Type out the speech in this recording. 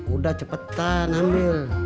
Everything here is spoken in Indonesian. udah cepetan ambil